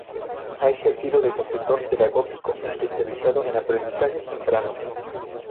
Ha ejercido de consultor pedagógico, especializado en aprendizajes tempranos.